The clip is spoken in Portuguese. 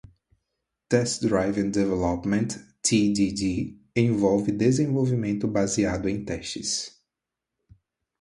Test-Driven Development (TDD) envolve desenvolvimento baseado em testes.